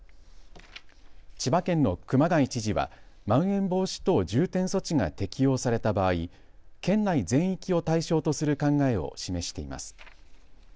千葉県の熊谷知事はまん延防止等重点措置が適用された場合、県内全域を対象とする考えを示しています。